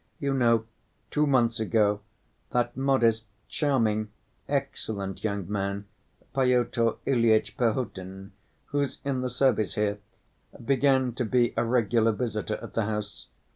You know, two months ago, that modest, charming, excellent young man, Pyotr Ilyitch Perhotin, who's in the service here, began to be a regular visitor at the house.